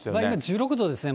１６度ですね。